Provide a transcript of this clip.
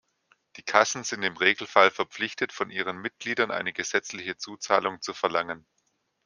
Die Kassen sind im Regelfall verpflichtet, von ihren Mitgliedern eine gesetzliche Zuzahlung zu verlangen.